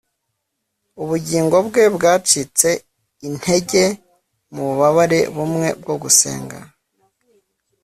Ubugingo bwe bwacitse intege mububabare bumwe bwo gusenga